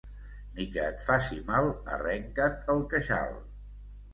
Ni que et faci mal, arrenca't el queixal.